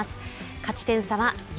勝ち点差は４。